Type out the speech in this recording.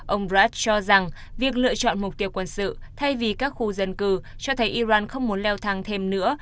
ông brad cho rằng việc lựa chọn mục tiêu quân sự thay vì các khu dân cư cho thấy iran không muốn leo thang thêm nữa